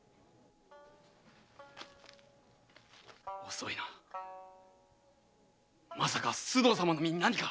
遅いなまさか須藤様の身に何か！